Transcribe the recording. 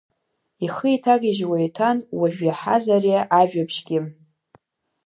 Ихы иҭагьежьуа иҭан уажә иаҳаз ари ажәабжьгьы.